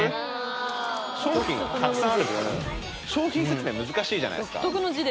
商品たくさんある分商品説明難しいじゃないですか？